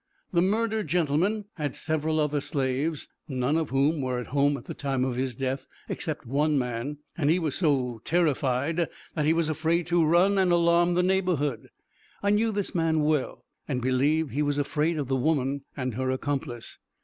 The murdered gentleman had several other slaves, none of whom were at home at the time of his death, except one man; and he was so terrified that he was afraid to run and alarm the neighborhood. I knew this man well, and believe he was afraid of the woman and her accomplice.